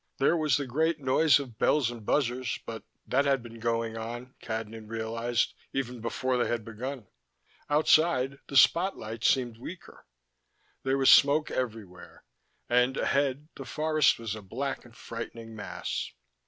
There was the great noise of bells and buzzers but that had been going on, Cadnan realized, even before they had begun. Outside, the spot lights seemed weaker. There was smoke everywhere, and ahead the forest was a black and frightening mass.